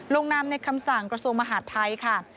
ลงนามในคำสั่งกระทรวงมหาดไทยค่ะ